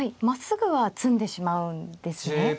まっすぐは詰んでしまうんですね